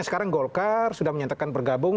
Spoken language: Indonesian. sekarang golkar sudah menyatakan bergabung